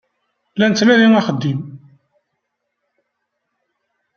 La nettnadi axeddim.